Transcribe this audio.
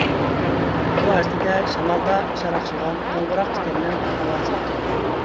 بۇ ئەسلىدە شامالدا شاراقشىغان قوڭغۇراق تىكەننىڭ ئاۋازى ئىكەن.